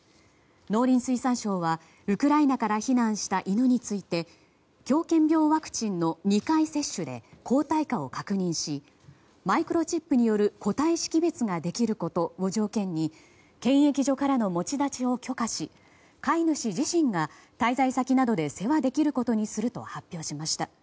農林水産省はウクライナから避難した犬について狂犬病ワクチンの２回接種で抗体価を確認しマイクロチップによる個体識別ができることを条件に検疫所からの持ち出しを許可し飼い主自身が滞在先などで世話できることにすると発表しました。